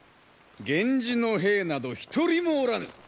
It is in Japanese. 源氏の兵など一人もおらぬ。